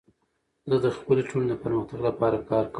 زه د خپلي ټولني د پرمختګ لپاره کار کوم.